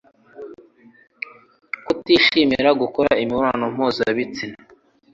Kutishimira gukora imibonano mpuza bitsina